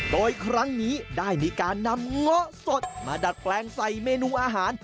โดยครั้งนี้ได้มีการนำเงาะสดมาดัดแปลงใส่เมนูอาหาร